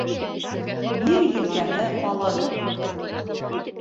Мир елкәһе ҡалын.